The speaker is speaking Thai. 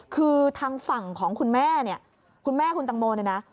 คือทางฝั่งของคุณแม่คุณแม่คุณจังโมนนะ